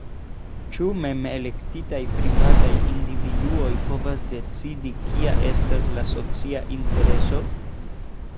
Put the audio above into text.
Ĉu mem-elektitaj privataj individuoj povas decidi, kia estas la socia intereso?